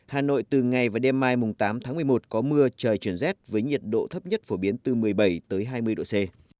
hà nội từ ngày và đêm mai tám tháng một mươi một có mưa trời chuyển rét với nhiệt độ thấp nhất phổ biến từ một mươi bảy hai mươi độ c